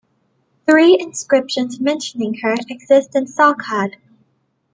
Three inscriptions mentioning her exist in Salkhad.